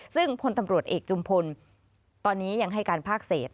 ซึ่งพลตำรวจเอกจุมพลตอนนี้ยังให้การภาคเศษ